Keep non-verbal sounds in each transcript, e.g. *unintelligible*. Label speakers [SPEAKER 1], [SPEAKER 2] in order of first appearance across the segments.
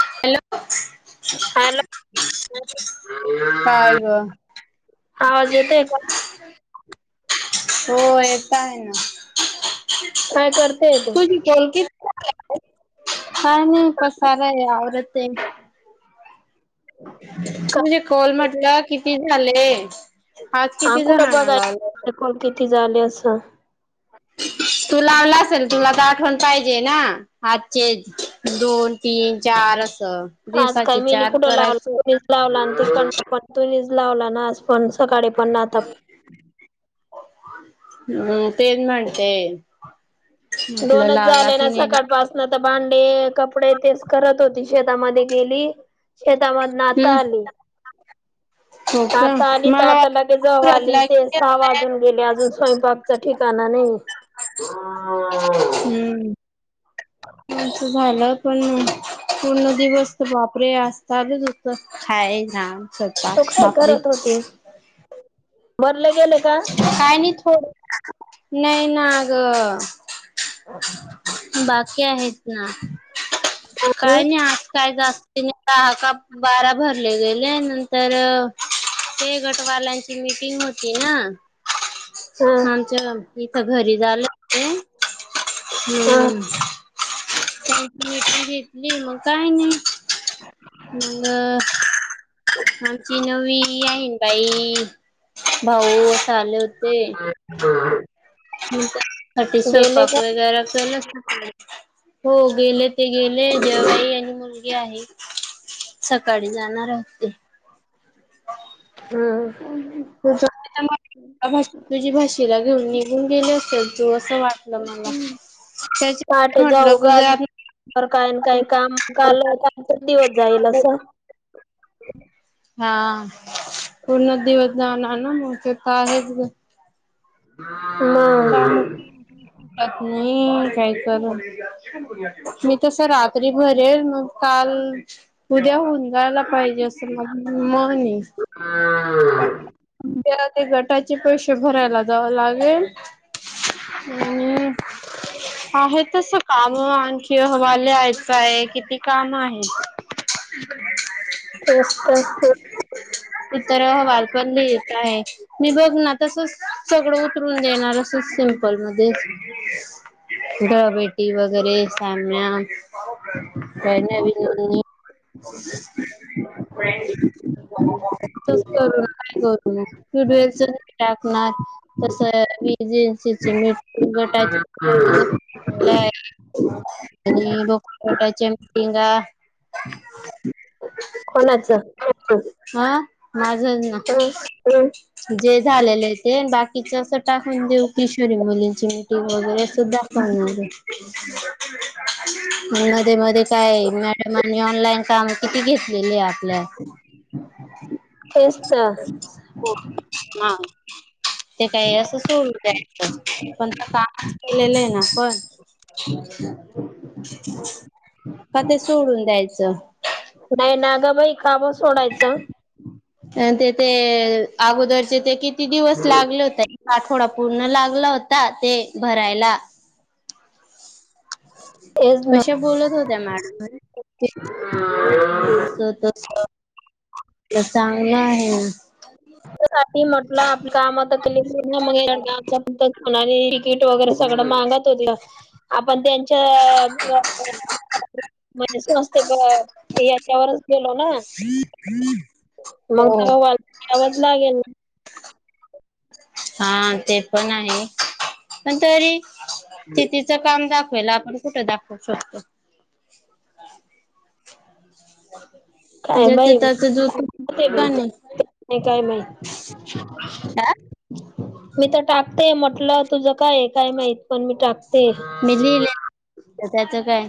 [SPEAKER 1] Hello.
[SPEAKER 2] Hello.
[SPEAKER 1] काय ग?
[SPEAKER 2] आवाज येतोय का?
[SPEAKER 1] हो येत आहे ना
[SPEAKER 2] काय करतेय तू?
[SPEAKER 1] तुझी केल क काय नाही पसारा आहे आवरत आहे. तुझे कॉल म्हटलं किती झाले? आज
[SPEAKER 2] हा
[SPEAKER 1] किती
[SPEAKER 2] कुठं
[SPEAKER 1] जणांना
[SPEAKER 2] बघाय
[SPEAKER 1] लावलं?
[SPEAKER 2] कल किती झाले असं?
[SPEAKER 1] तू लावला असेल तुला तर आठवण पाहिजे ना? आजचे दोन, तीन, चार असं.
[SPEAKER 2] आज काय
[SPEAKER 1] दिवसाचे
[SPEAKER 2] मीनी
[SPEAKER 1] चार
[SPEAKER 2] कुठं लावला
[SPEAKER 1] करायचे.
[SPEAKER 2] तु्हीच लावला त प पण तु्ही लावला ना आज पण सकाळी पण आता प
[SPEAKER 1] हम तेच म्हणते. म्हटलं
[SPEAKER 2] दोनच
[SPEAKER 1] लावला
[SPEAKER 2] झाले
[SPEAKER 1] की
[SPEAKER 2] ना
[SPEAKER 1] नाही
[SPEAKER 2] सकाळ
[SPEAKER 1] लाव
[SPEAKER 2] पासून. आता भांडे कपडे तेच करत होती, शेतामध्ये गेली. शेतामध्येधन
[SPEAKER 1] हम्म
[SPEAKER 2] आता आली.
[SPEAKER 1] हो का
[SPEAKER 2] आता आली तर
[SPEAKER 1] मला
[SPEAKER 2] आता
[SPEAKER 1] वाटलं
[SPEAKER 2] लागे जाऊ आली
[SPEAKER 1] नागपुरातला
[SPEAKER 2] ते
[SPEAKER 1] किती
[SPEAKER 2] सहा
[SPEAKER 1] असतंय?
[SPEAKER 2] वाजून गेले अजून स्वयंपापच ठिकाणा नाही.
[SPEAKER 1] हम्म आमचं झालं पण पूर्ण दिवस बापरे असता आलच होत *inaudible* हाय ना.
[SPEAKER 2] तो काय करत होती, बरले गेले का?
[SPEAKER 1] काय नाही थोड, नाही ना अगं बाकी आहेत ना,
[SPEAKER 2] हा
[SPEAKER 1] काय नाही आज कायच तिने दहा का बारा भरले गेले नंतर, ते गटवालांची मिटिंग होती. तेना
[SPEAKER 2] हा
[SPEAKER 1] आमच इथ घरी झालं. हम
[SPEAKER 2] हा,
[SPEAKER 1] हम्म भीट घेतली मग का नाही मग *inaudible*
[SPEAKER 2] अ *unintelligible*
[SPEAKER 1] आमची नवीन ईन बाई भाऊ असं आले होते.
[SPEAKER 2] हो *inaudible*
[SPEAKER 1] मग त्याच्यासाठी स्वयपाक
[SPEAKER 2] का?
[SPEAKER 1] वगैरे केलं काय. हो गेले ते गेले जेवई आणि मुलगी आहे सकाळी जाणार हाय. ह *inaudible*
[SPEAKER 2] ह हा
[SPEAKER 1] तुझ तुझी भाषेला घेऊन निघून गेले असेल तू असं वाट *inaudible* मला त्या म्हटलं गुज *inaudible*
[SPEAKER 2] बर काय ना काय काम काल कालचा दिवस जाईल असं *inaudible*
[SPEAKER 1] ह *inaudible* हा पूर्ण दिवस जाणार ना मग ते तर आहेच.
[SPEAKER 2] हा
[SPEAKER 1] कामात नाही काय करू *inaudible* मी तस रात्री भरेल मग काल, उद्या हुं जायला पाहिजे असं म मणे त्या ते गटाचे पैसे भरायला जाव लागेल. अ् आहे तस *inaudible* काम आणखी हमाला यायचं आहे किती काम आहे.
[SPEAKER 2] हे अस्त
[SPEAKER 1] तर *unintelligible* येत आहे मी बघ ना तसंच सगळं उतरून देणार असं सिंपल मध्येच *unintelligible* ी वगैरे सामनन विन *inaudible* *inaudible* का करू न टूडवेल टाकणार *inaudible* तस वीजनसी मट गटा *inaudible*
[SPEAKER 2] हम्म
[SPEAKER 1] आणि बघयच्या मीटिंग *inaudible* हम्
[SPEAKER 2] कोणाचं
[SPEAKER 1] हा माझ ना
[SPEAKER 2] ह
[SPEAKER 1] जे झालेले तेन बाकीच असं टाकून देऊ, किशोरी मुलींचे ते वगैरे सुद्धा प मध्ये मध्ये काय, मॅडमांनी ऑनलाईन काम किती घेतलेले आपल्या?
[SPEAKER 2] तेच त
[SPEAKER 1] हो ह ते काय असं *unintelligible* द्यायचं *unintelligible* ना पण
[SPEAKER 2] अच्छा
[SPEAKER 1] का ते सोडून द्यायचं.
[SPEAKER 2] नाही ना ग बाई, काब सोडायचं.
[SPEAKER 1] आण ते ते अगोदरचे ते किती दिवस लागले होतय आठवडा पूर्ण लागला होता ते भरायला.
[SPEAKER 2] तेच ना
[SPEAKER 1] कशा बोलत होत्या, मॅडम? मी अस त चांगलं आहे.
[SPEAKER 2] साठी म्हटलं आपली काम त केली. *unintelligible* तिकीट वगैरे सगळं मागत होत्या आपण *unintelligible* म्हणजे *unintelligible* याच्यावरच गेलो ना मग
[SPEAKER 1] हो
[SPEAKER 2] त वा आवाज लागेल.
[SPEAKER 1] हा, ते पण आहे पण तरी ती तिचं काम दा *unintelligible* आपण कुठ दाखवू शकतो?
[SPEAKER 2] काय
[SPEAKER 1] ज्याचं
[SPEAKER 2] बाई
[SPEAKER 1] त्याचं दूध
[SPEAKER 2] ते भेट
[SPEAKER 1] पाणी
[SPEAKER 2] नाही काय माह मी तर टाकते म्हटलं, तुझं काय काय माहित पण मी टाकते.
[SPEAKER 1] मी लिहिलं, *unintelligible* त्याच काय?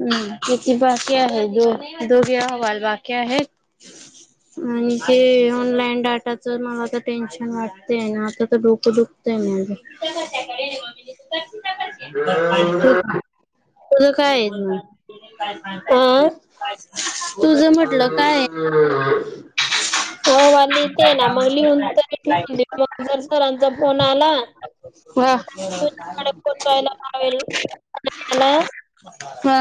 [SPEAKER 1] हम्, किती बाकी आहे? दो दोघे अहवाल बाकी आहेत. आणि ते ऑनलाईन डाटाच मला तर टेन्शन वाटतेय ना, आता तर डोकं दुखतय माझं तच्याकडे तुझ काये
[SPEAKER 2] आ
[SPEAKER 1] तुझ म्हटलं काये?
[SPEAKER 2] हो हो हो हो *unintelligible* लिहिते
[SPEAKER 1] काय
[SPEAKER 2] ना,
[SPEAKER 1] काम
[SPEAKER 2] मग लिहून
[SPEAKER 1] करताय
[SPEAKER 2] तरी
[SPEAKER 1] काय
[SPEAKER 2] ठेऊून देऊ मग जर सरांचा फोन आला.
[SPEAKER 1] व्हा
[SPEAKER 2] *inaudible*
[SPEAKER 1] हा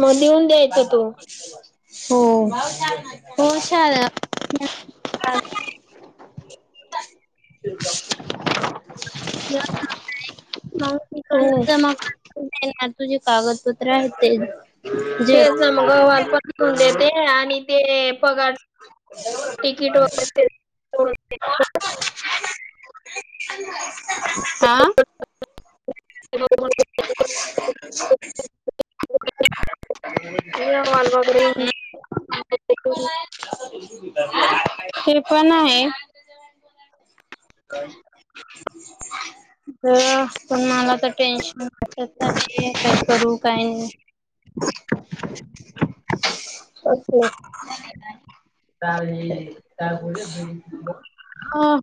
[SPEAKER 2] मग देऊन द्यायचा तू
[SPEAKER 1] हो हा क मग तिकडून
[SPEAKER 2] हम्म
[SPEAKER 1] जमा कर. तुझे कागदपत्र आहेत ते
[SPEAKER 2] तेच
[SPEAKER 1] झेरॉक्स
[SPEAKER 2] ना, मग गवार पण घ्यून देते आणि ते पगार तिकीट वगैरे *unintelligible*
[SPEAKER 1] हा. *inaudible*
[SPEAKER 2] *unintelligible* वालगाव *unintelligible*
[SPEAKER 1] ते पण आहेच. बया पण मला तर टेन्शन *unintelligible* आहे. काय करू? काय नाही?
[SPEAKER 2] *unintelligible* *unintelligible*
[SPEAKER 1] हो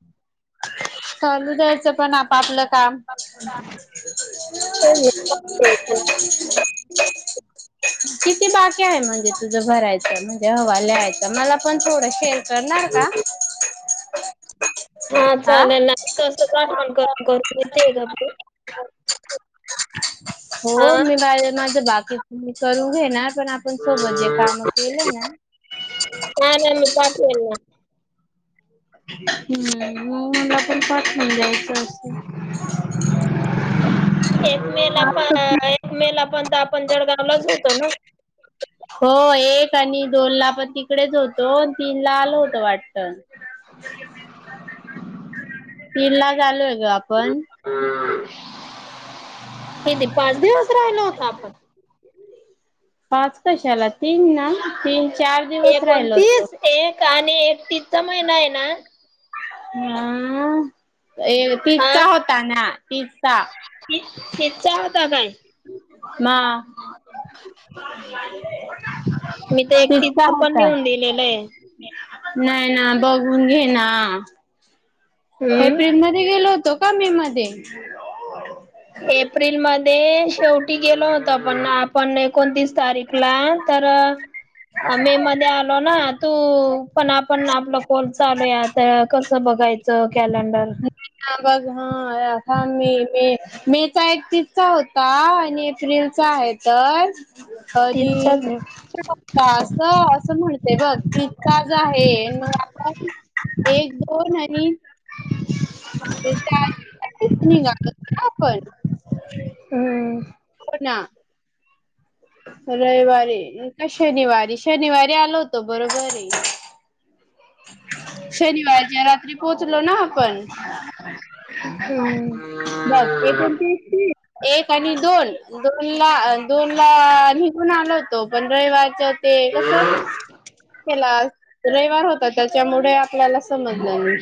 [SPEAKER 1] चालू द्यायचं, पण आ पापलं काम. *inaudible*
[SPEAKER 2] तेच ना
[SPEAKER 1] किती बाकी आहे म्हणजे तुझं भरायच, म्हणजे हवाले *unintelligible* मला पण थोडं शे अर करणार का?
[SPEAKER 2] हा, चालेल ना. कसं आठवणं करून करून घेते ग *unintelligible*
[SPEAKER 1] हो,
[SPEAKER 2] हा
[SPEAKER 1] मी बाहे माझं बाकी मी करू घे ना, पण आपण सोबत जे काम केले ना
[SPEAKER 2] का नाही? मी पाठवेल ना.
[SPEAKER 1] हम्म, म मला पण पाठवून दया *inaudible*
[SPEAKER 2] एक मे ला पण, एक मे ला पण आपण त जळगावलाच होतो ना.
[SPEAKER 1] हो, एक आणि दोन ला पण तिकडेच होतो. अन् तीन ला आलं होतो वाटतं.
[SPEAKER 2] *inaudible*
[SPEAKER 1] तीनलाच आलोय ग आपण.
[SPEAKER 2] किती पाच दिवस राहिलो होतो आपण?
[SPEAKER 1] पाच कशाला तीन ना? तीन, चार दि
[SPEAKER 2] एकोणतीस, एक आणि एकतीसचा महिना आहे ना
[SPEAKER 1] हं तीस चा होता ना तीस चा.
[SPEAKER 2] तीस तीसचा होता काय?
[SPEAKER 1] म
[SPEAKER 2] मी तर
[SPEAKER 1] तिसचा
[SPEAKER 2] एकतीसचा पण
[SPEAKER 1] होता.
[SPEAKER 2] लिहून दिलेलंय.
[SPEAKER 1] नाही ना. बघून घे ना.
[SPEAKER 2] हम्म
[SPEAKER 1] एप्रिल मध्ये गेलो होतो का? मे मध्ये?
[SPEAKER 2] एप्रिल मध्ये शेवटी गेलो होतो, आपण पण एकोणतीस तारीख ला तर मे मध्ये आलो ना. तू पण आपण आपला कॉल चालूय. आता कसं बघायचं? कॅलेंडर.
[SPEAKER 1] बघ. *unintelligible* मे चा एकतीसचा होता आणि एप्रिलचा आहे तर
[SPEAKER 2] तिथचाच आहे
[SPEAKER 1] *unintelligible* का अस असं म्हणते बघ. तीसचाच आहे, मग आपण एक, दोन आणि *unintelligible* आपण
[SPEAKER 2] हम्म.
[SPEAKER 1] हो ना. रविवारी का शनिवारी? शनिवारी आलो होतो बरोबरे. शनिवारच्या रात्री पोहोचलो ना आपण?
[SPEAKER 2] हम्म.
[SPEAKER 1] बघ एकोणतीस तीस, एक आणि दोन दोन ला दोन ला निघून आलो होतो पण रविवारचा ते कसं तेला रविवार होत तर त्याच्यामुळे आपल्याला समजलं नाही.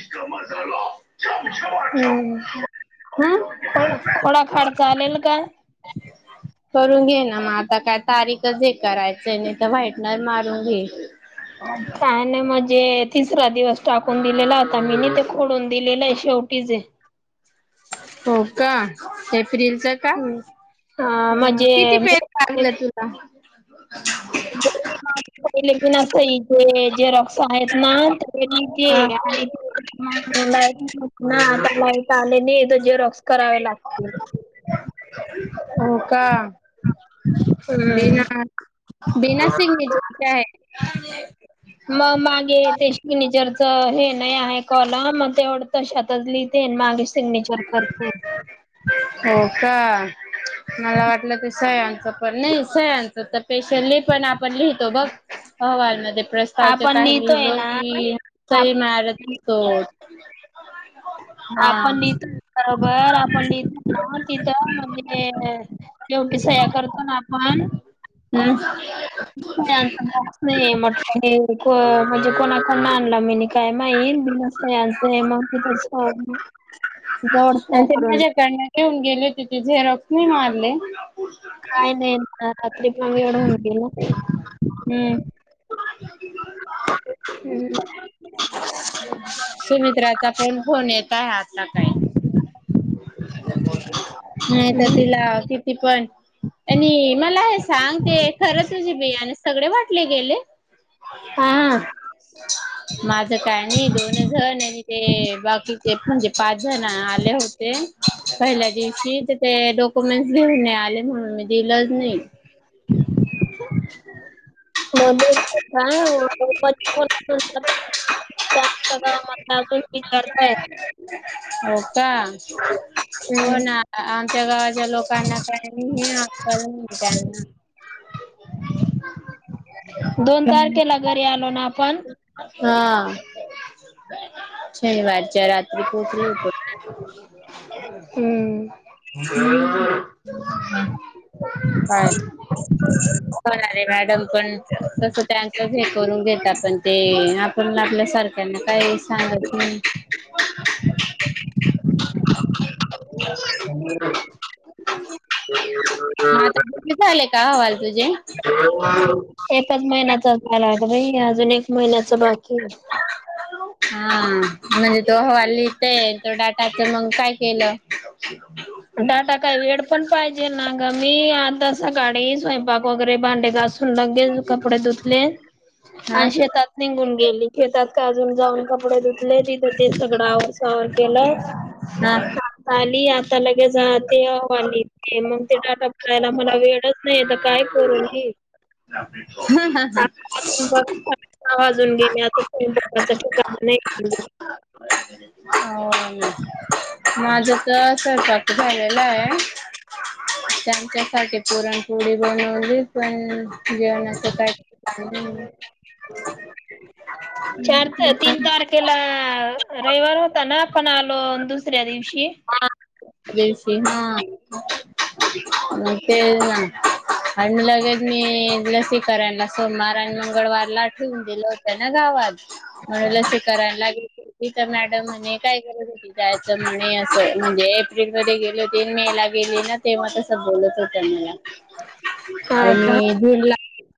[SPEAKER 1] हम्म
[SPEAKER 2] खोड खोडाखाड चालेल का
[SPEAKER 1] *inaudible* करून घे ना मग आता काय तारीखच हे करायचं आहे नाही तर व्हाईटनर मारून घे. *inaudible*
[SPEAKER 2] काही नाही मग जे तिसरा दिवस टाकून दिलेला होता मी ने ते खोडून दिलेलं आहे शेवटी जे
[SPEAKER 1] हो का एप्रिल चा का
[SPEAKER 2] *inaudible* हा
[SPEAKER 1] हां किती पेज
[SPEAKER 2] म्हणजे
[SPEAKER 1] लागलं तुला?
[SPEAKER 2] *unintelligible* पहिले *unintelligible* सही झेरॉक्स साहेब ना ते मी
[SPEAKER 1] हा
[SPEAKER 2] *unintelligible* आणि *unintelligible* लाईट ना आता लाईट आले नाही तर झेरॉक्स करावे लागतील.
[SPEAKER 1] हो का?
[SPEAKER 2] हम्म.
[SPEAKER 1] बीना बीना सिग्नेचरचे आहेत का?
[SPEAKER 2] मग मागे ते सिग्निचरच हे नाही आहे कॉलम मग तेवढ तशातच लिहिते अनं मागे सिग्नेचर करते.
[SPEAKER 1] हो का? मला वाटलं ते सयांचं पण नाही सयांच तर स्पेशली पण आपण लिहितो बघ अहवाल मध्ये प्रस्तावचे
[SPEAKER 2] आपण
[SPEAKER 1] काही
[SPEAKER 2] लिहितोय
[SPEAKER 1] लिहिलो
[SPEAKER 2] ना
[SPEAKER 1] की सई
[SPEAKER 2] आप
[SPEAKER 1] मारत तो.
[SPEAKER 2] आपण लिहितो बरोबर आपण लिहिलं ना तिथं म्हणजे योग्य सह्या करतो ना आपण
[SPEAKER 1] हम्म
[SPEAKER 2] *unintelligible* बॉक्स नाहीये म्हटलं मी हे म्हणजे कोणाकडन आणला मीने? काय माहीत मी मस्त आहे यांचं हे *unintelligible*
[SPEAKER 1] आणि ते माझ्याकडन घेऊन गेले तिचे झेरॉक्स नाही मारले
[SPEAKER 2] काय नाही ना रात्री पण एवढ होऊन गेला.
[SPEAKER 1] हम्म.
[SPEAKER 2] हम्म.
[SPEAKER 1] सुमित्राचा पण फोन येत आहे आता काही. नाही तर तिला
[SPEAKER 2] हम्म.
[SPEAKER 1] किती पण आणि मला हे सांग ते खरं तुझे बियाणे आणि सगळे वाटले गेले?
[SPEAKER 2] हा
[SPEAKER 1] माझं काय नाही दोन जण आणि ते बाकी एक म्हणजे पाच जण आले हो ते पहिल्या दिवशी तर ते डॉक्युमेंटस घेऊन नाही आले म्हणून मी दिलंच नाही.
[SPEAKER 2] मध्ये काय *unintelligible* *unintelligible* सगळ मधलं असून विचारत आहेत.
[SPEAKER 1] हो का? हो ना. आमच्या गावाच्या लोकांना काही नाही अक्कल नाही त्यांना.
[SPEAKER 2] *inaudible* दोन तारखेला घरी आलो ना आपण?
[SPEAKER 1] हां शनिवारच्या रात्री पोहचलो होतो.
[SPEAKER 2] *inaudible* हम्म
[SPEAKER 1] हम्म ह *inaudible* काय? होणारे मॅडम पण तसं त्यांचच हे करून घेतात पण ते आपण आपल्या सारख्यांना काय सांगतच नाही. *inaudible*
[SPEAKER 2] *inaudible*
[SPEAKER 1] म आता किती झाले का अहवाल तुझे?
[SPEAKER 2] एकच महिन्याचा झालाय ग बाई अजून एक महिन्याच बाकी आहे.
[SPEAKER 1] हा म्हणजे तो अहवाल लिहिते आहे तो डाटाच मग काय केलं? *inaudible*
[SPEAKER 2] डाटा काही वेळ पण पाहिजे ना ग मी आता सकाळी स्वयंपाक वगैरे भांडे घासू लगेच कपडे धुतले
[SPEAKER 1] हा
[SPEAKER 2] आणि शेतात निघून गेले. घेतात का? अजून जाऊन कपडे धुतले तिथं ते सगळं आवरसावर केलं
[SPEAKER 1] हा
[SPEAKER 2] सा ली आता लगेच ते ह आली ते मग ते डाटा करायला मला वेळच नाही तर काय करून मी
[SPEAKER 1] हम् हा हा.
[SPEAKER 2] आ वाजून गेले अजून स्वयंपाकाच ठिकाण नाही *inaudible*
[SPEAKER 1] हो माझं तर सरकारच झालेलं हाय. त्यांच्यासाठी पुरणपोळी बनवली पण ह जेवणाचं काय *unintelligible*
[SPEAKER 2] *inaudible* चार तर
[SPEAKER 1] ते
[SPEAKER 2] तीन
[SPEAKER 1] पण
[SPEAKER 2] चपा केेला रविवार होता ना? आपण आलो दुसऱ्या दिवशी
[SPEAKER 1] *unintelligible* ना न तेल ना अन लगेच मी लसी करायला सोमवार आणि मंगळवारला दिलं होत ना गावात म्हणून लसी करायला इथं मॅडम म्हणे ते *inaudible* जायचं म्हणे असं म्हणजे एप्रिल मध्ये गेले होती मे ला गेली ना तेव्हा तस स बोलत होत्या मला
[SPEAKER 2] हा
[SPEAKER 1] आणि
[SPEAKER 2] का
[SPEAKER 1] मी धूर ला